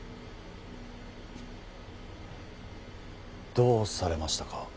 どうされましたか？